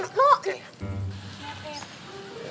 aduh udah berhenti